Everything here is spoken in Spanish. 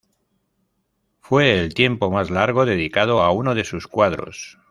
Fue el tiempo más largo dedicado a uno de sus cuadros.